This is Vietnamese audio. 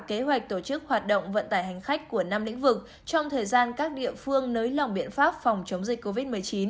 kế hoạch tổ chức hoạt động vận tải hành khách của năm lĩnh vực trong thời gian các địa phương nới lỏng biện pháp phòng chống dịch covid một mươi chín